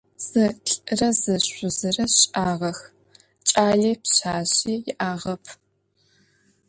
Зы лӏырэ зы шъузырэ щыӏагъэх, кӏали пшъашъи яӏагъэп.